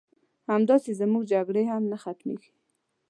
همداسې زمونږ جګړې هم نه ختميږي